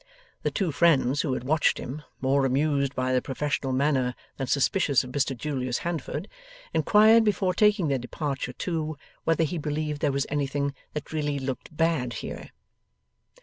The two friends who had watched him, more amused by the professional manner than suspicious of Mr Julius Handford, inquired before taking their departure too whether he believed there was anything that really looked bad here?